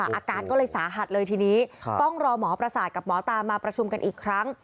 อาการก็เลยสาหัสเลยทีนี้ต้องรอหมอประสาทกับหมอตามาประชุมกันอีกครั้ง